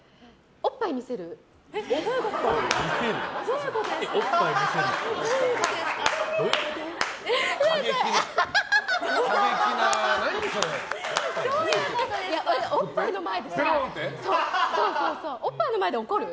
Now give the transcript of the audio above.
おっぱいの前で怒る？